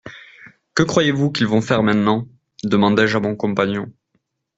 Que croyez-vous qu'ils vont faire maintenant ? demandai-je à mon compagnon.